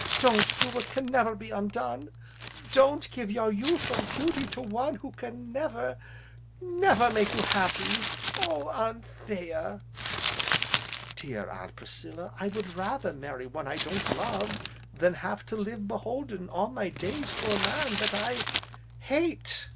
don't do what can never be undone. Don't give your youth and beauty to one who can never never make you happy, Oh Anthea !" "Dear Aunt Priscilla, I would rather marry one I don't love than have to live beholden all my days to a man that I hate!"